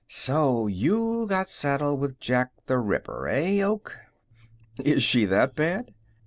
"So you got saddled with Jack the Ripper, eh, Oak?" "Is she that bad?"